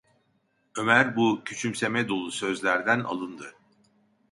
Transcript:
Ömer bu küçümseme dolu sözlerden alındı: